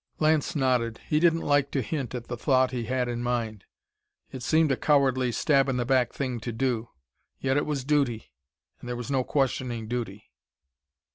Lance nodded. He didn't like to hint at the thought he had in mind. It seemed a cowardly, stab in the back thing to do. Yet it was duty, and there was no questioning duty.